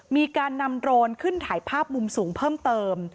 มีการนำโรนขึ้นถ่ายภาพมุมสูงเพิ่มเติม